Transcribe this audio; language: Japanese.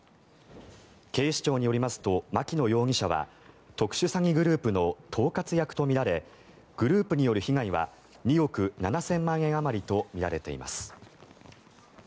警視庁によりますと牧野容疑者は特殊詐欺グループの統括役とみられグループによる被害は２億７０００万円あまりとみられています。